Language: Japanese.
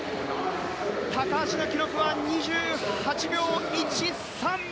高橋の記録は２８秒１３。